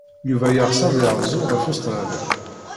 Yuba yeɣs ad yerzu ɣef Ustṛalya.